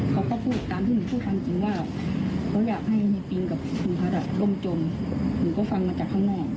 เขาก็พูดตามที่หนูพูดความจริงว่าเขาอยากให้เฮีปิงกับคุณพัฒน์ร่มจมหนูก็ฟังมาจากข้างนอก